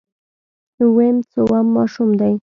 ويم څووم ماشوم دی.